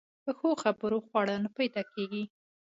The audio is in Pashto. په ښو خبرو خواړه نه پیدا کېږي.